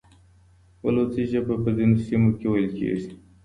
بلوچي ژبه په ځینو سیمو کې ویل کېږي.